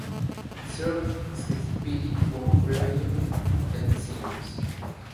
He served as the critic for Revenue and Seniors.